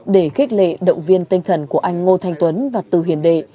để khích lệ động viên tinh thần của anh ngô thanh tuấn và từ hiền đệ